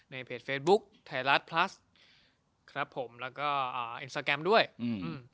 ในเพจเฟสบุ๊คไทยรัฐพลัสครับผมแล้วก็อ่าด้วยอืม